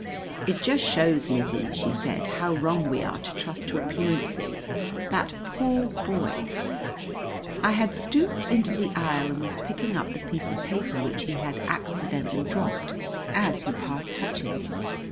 "It just shows, Lizzie," she said, "how wrong we are to trust to appearances. That poor boy " I had stooped into the aisle and was picking up the piece of paper which he had accidentally dropped as he passed Hutchins.